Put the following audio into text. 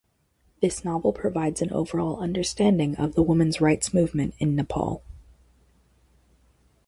This novel provides an overall understanding of the women’s rights movement in Nepal.